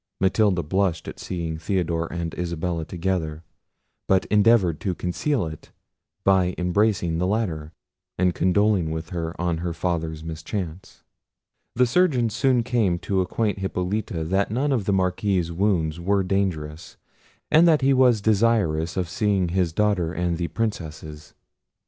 Matilda blushed at seeing Theodore and Isabella together; but endeavoured to conceal it by embracing the latter, and condoling with her on her father's mischance. The surgeons soon came to acquaint Hippolita that none of the Marquis's wounds were dangerous; and that he was desirous of seeing his daughter and the Princesses.